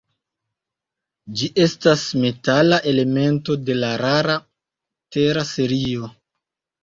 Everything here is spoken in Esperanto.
Ĝi estas metala elemento de la rara tera serio.